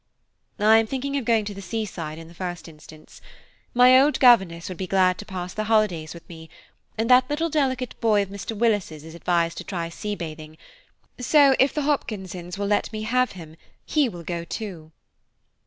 "I am thinking of going to the sea side in the first instance. My old governess will be glad to pass the holidays with me, and that little delicate boy of Mr. Willis's is advised to try sea bathing–so, if the Hopkinsons will let me have him, he will go too."